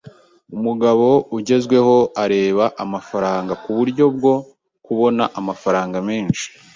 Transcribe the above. Umugabo ugezweho areba amafaranga nkuburyo bwo kubona amafaranga menshi.